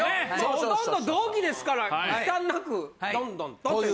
ほとんど同期ですから忌憚なくどんどんとという。